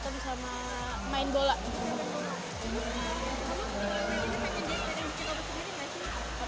pengen bikin apa ya